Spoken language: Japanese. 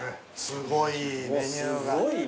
すごいメニューが。